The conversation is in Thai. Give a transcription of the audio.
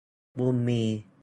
บุญมี